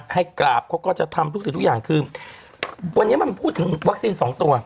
ให้กราบเขาก็จะทำรู้สึกทุกอย่างคือวันนี้พูดถึงวัคซีน๒ตัว